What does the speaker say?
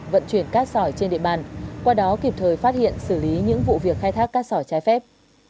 vận chuyển cát sỏi trên địa bàn qua đó kịp thời phát hiện xử lý những vụ việc khai thác cát sỏi trái phép